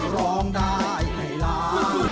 ร้องได้ให้ล้าน